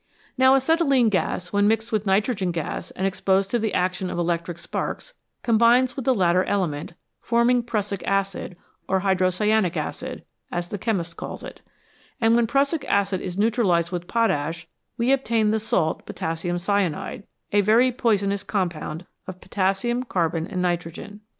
Now acetylene gas, when mixed with nitrogen gas and exposed to the action of electric sparks, combines with 251 HOW MAN COMPETES WITH NATURE the latter element, forming prussic acid, or hydrocyanic acid, as the chemist calls it ; and when prussic acid is neutralised with potash we obtain the salt potassium cyanide, a very poisonous compound of potassium, carbon, and nitrogen.